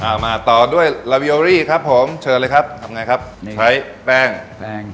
เอามาต่อด้วยครับผมเชิญเลยครับทำไงครับใช้แป้งแป้ง